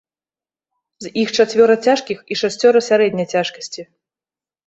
З іх чацвёра цяжкіх і шасцёра сярэдняй цяжкасці.